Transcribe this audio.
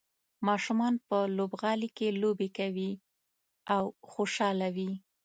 ماشومان په لوبغالي کې لوبې کوي او خوشحاله وي.